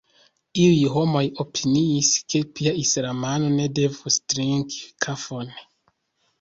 Iuj homoj opiniis, ke pia islamano ne devus trinki kafon.